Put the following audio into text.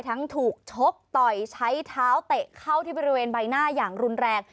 ทั้งถูกชกต่อยใช้เท้าเตะเข้าที่บริเวณใบหน้าอย่างรุนแรง